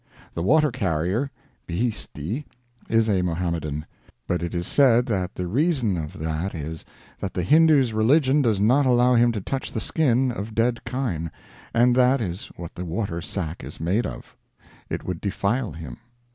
The water carrier ['bheestie') is a Mohammedan, but it is said that the reason of that is, that the Hindoo's religion does not allow him to touch the skin of dead kine, and that is what the water sack is made of; it would defile him.